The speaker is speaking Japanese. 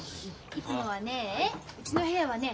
いつもはねうちの部屋はね